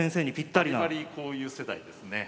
バリバリこういう世代ですね。